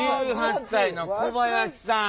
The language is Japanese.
１８歳の小林さん。